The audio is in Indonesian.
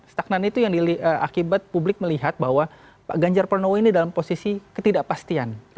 stagnan itu yang akibat publik melihat bahwa pak ganjar pranowo ini dalam posisi ketidakpastian